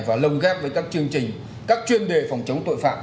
và lồng ghép với các chương trình các chuyên đề phòng chống tội phạm